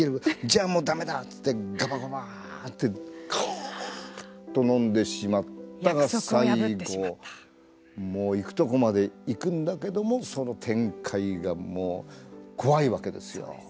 じゃあもうだめだといってがばがばってのんでしまったが最後もう行くとこまで行くんだけどもその展開がもう怖いわけですよ。